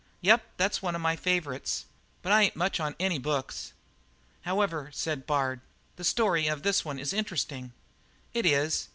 "Yep, that's one of my favourites. But I ain't much on any books." "However," said Bard, "the story of this is interesting." "It is.